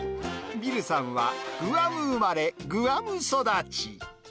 ビルさんは、グアム生まれ、グアム育ち。